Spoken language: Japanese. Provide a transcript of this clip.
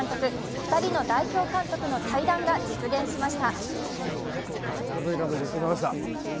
２人の代表監督の対談が実現しました。